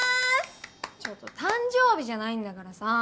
ちょっと誕生日じゃないんだからさ。